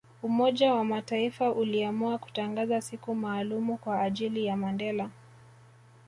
Umoja wa mataifa uliamua kutangaza siku maalumu Kwa ajili ya Mandela